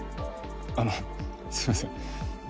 あのすいません